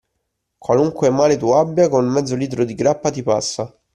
Qualunque male tu abbia, con mezzo litro di grappa, ti passa.